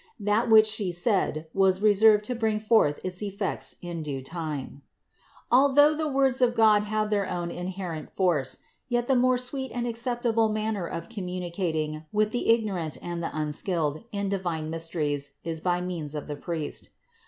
That which she said, was reserved to bring forth its effects in due THE INCARNATION 241 time. Although the words of God have their own inherent force; yet the more sweet and acceptable man ner of communicating with the ignorant and the un skilled in divine mysteries is by means of the priest.